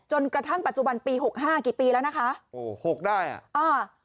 จนกระทั่งปัจจุบันปีหกห้ากี่ปีแล้วนะคะโอ้หกได้อ่ะอ่า